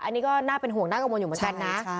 นี่ก็น่าเป็นห่วงน่ากระมวงอยู่หมดกันนะ